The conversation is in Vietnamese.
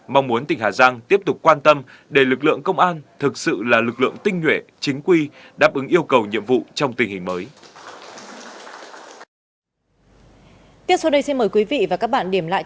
mong muốn tỉnh hà giang tiếp tục quan tâm để lực lượng công an thực sự là lực lượng tinh nhuệ chính quy đáp ứng yêu cầu nhiệm vụ trong tình hình mới